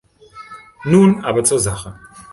Nun aber zur Sache.